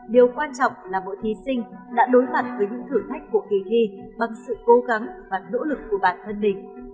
điều quan trọng là mỗi thí sinh đã đối mặt với những thử thách của kỳ thi bằng sự cố gắng và nỗ lực của bản thân mình